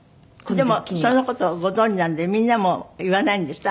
でもその事をご存じなのでみんなも言わないんですって？